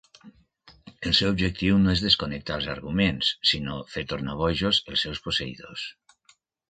El seu objectiu no és desconnectar els augments, sinó fer tornar bojos als seus posseïdors.